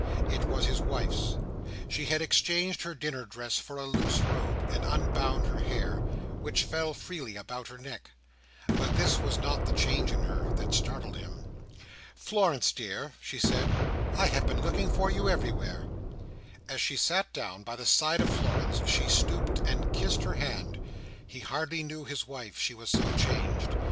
It was his wife's. She had exchanged her dinner dress for a loose robe, and unbound her hair, which fell freely about her neck. But this was not the change in her that startled him. "Florence, dear," she said, "I have been looking for you everywhere." As she sat down by the side of Florence, she stooped and kissed her hand. He hardly knew his wife. She was so changed.